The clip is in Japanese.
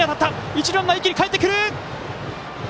一塁ランナー、かえってくる！